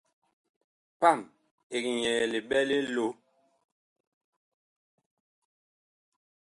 Paam ɛg nyɛɛ liɓɛ li loh.